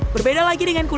berbeda lagi dengan kubur